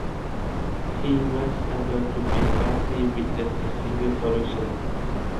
He was able to build a battery with just a single solution.